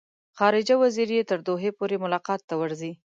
خارجه وزیر یې تر دوحې پورې ملاقات ته ورځي.